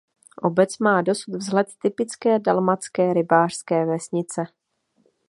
Obec má dosud vzhled typické dalmatské rybářské vesnice.